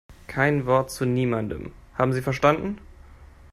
Kein Wort zu niemandem, haben Sie verstanden?